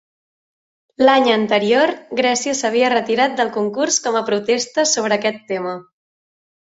L'any anterior, Grècia s'havia retirat del concurs com a protesta sobre aquest tema.